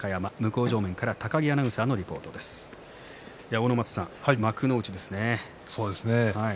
阿武松さん、幕内ですね。